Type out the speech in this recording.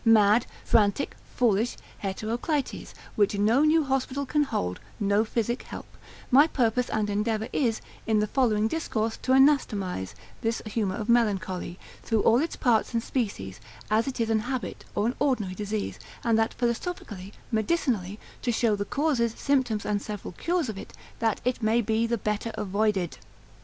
mad, frantic, foolish, heteroclites, which no new hospital can hold, no physic help; my purpose and endeavour is, in the following discourse to anatomise this humour of melancholy, through all its parts and species, as it is an habit, or an ordinary disease, and that philosophically, medicinally, to show the causes, symptoms, and several cures of it, that it may be the better avoided.